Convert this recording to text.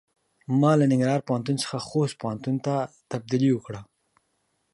ما له ننګرهار پوهنتون څخه خوست پوهنتون ته تبدیلي وکړۀ.